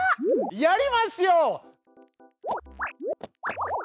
やりますよ！